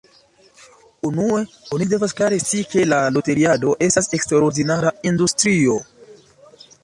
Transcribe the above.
Unue, oni devas klare scii ke la loteriado estas eksterordinara industrio.